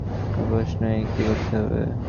আমার প্রশ্ন এই– কী করতে হবে?